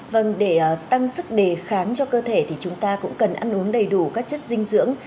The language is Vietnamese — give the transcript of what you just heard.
vâng để tăng sức đề kháng cho cơ thể thì chúng ta cũng cần ăn uống đầy đủ các chất dinh dưỡng